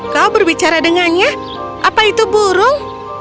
kau berbicara dengannya apa itu burung